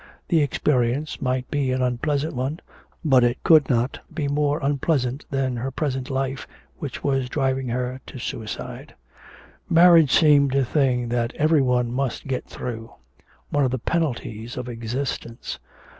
The experience might be an unpleasant one, but it could not be more unpleasant than her present life which was driving her to suicide. Marriage seemed a thing that every one must get through; one of the penalties of existence.